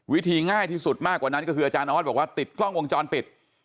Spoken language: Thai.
วิธีง่ายที่สุดมากกว่านั้นก็คืออาจารย์ออสบอกว่าติดกล้องวงจรปิด